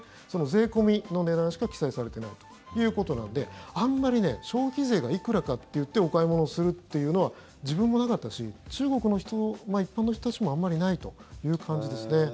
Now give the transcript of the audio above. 税込みの値段しか記載されてないということなのであまり消費税がいくらかっていってお買い物をするというのは自分もなかったし中国の人、一般の人たちもあまりないという感じですね。